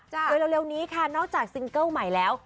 โดยเร็วนี้ค่ะนอกจากซิงเกิ้ลใหม่แล้ว